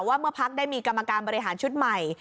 ว่าเมื่อพักได้มีกรรมการบริหารชุดใหม่